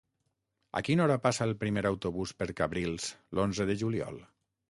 A quina hora passa el primer autobús per Cabrils l'onze de juliol?